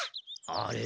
あれ？